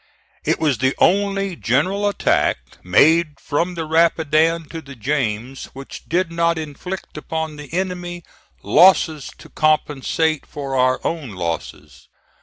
It was the only general attack made from the Rapidan to the James which did not inflict upon the enemy losses to compensate for our own losses.